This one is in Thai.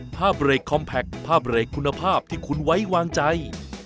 ภาพเลขคอมแพคภาพเลขคุณภาพที่คุณไว้วางใจ